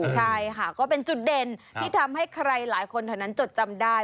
ใช่ค่ะก็เป็นจุดเด่นที่ทำให้ใครหลายคนแถวนั้นจดจำได้